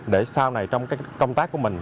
để sau này trong công tác của mình